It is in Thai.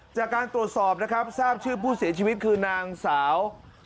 จากการตรวจสอบนะครับทราบชื่อผู้เสียชีวิตคือนางสาว